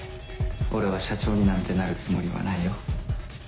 俺は社長になんてなるつもりはないよ。